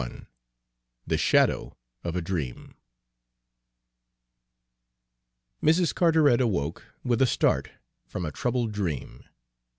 XXXI THE SHADOW OF A DREAM Mrs. Carteret awoke, with a start, from a troubled dream.